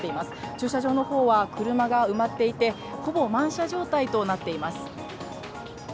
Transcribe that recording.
駐車場は車が埋まっていてほぼ満車状態となっています。